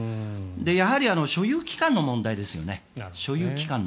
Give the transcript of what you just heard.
やはり所有期間の問題ですよね。